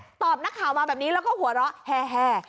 ตอบนักข่าวมาแบบนี้แล้วก็หัวเราะแฮ